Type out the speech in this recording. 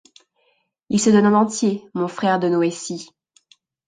Il se donne en entier, mon frère de Noétie.